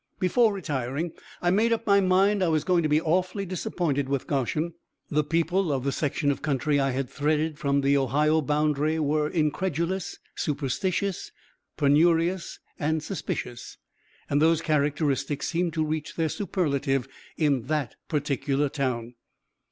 Before retiring, I made up my mind I was going to be awfully disappointed with Goshen. The people of the section of country I had threaded from the Ohio boundary were incredulous, superstitious, penurious and suspicious, and those characteristics seemed to reach their superlative in that particular town.